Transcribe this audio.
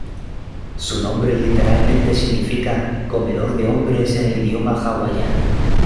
Su nombre literalmente significa "comedor de hombres" en el idioma hawaiano.